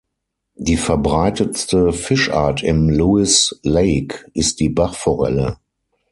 Die verbreitetste Fischart im Lewis Lake ist die Bachforelle.